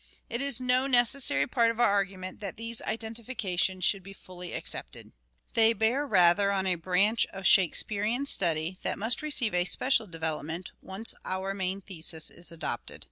It is no necessary part of our argument that these identifications should be fully accepted. They bear rather on a branch of Shakespearean study that must receive a special development once our main thesis is adopted.